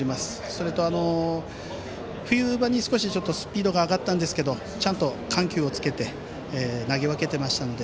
それと、冬場に少しスピードが上がったんですがちゃんと緩急をつけて投げ分けていましたので。